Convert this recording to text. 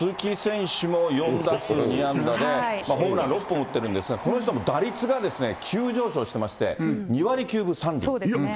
鈴木選手も４打数２安打で、ホームラン６本打ってるんですが、この人も打率がですね、急上昇してまして、２割９分３厘。